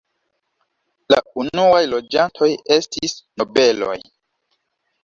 La unuaj loĝantoj estis nobeloj.